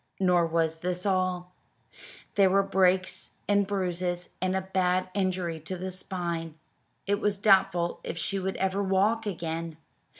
Nor was this all. There were breaks and bruises, and a bad injury to the spine. It was doubtful if she would ever walk again.